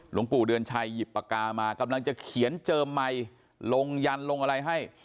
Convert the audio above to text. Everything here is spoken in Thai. ปู่เดือนชัยหยิบปากกามากำลังจะเขียนเจิมไมค์ลงยันลงอะไรให้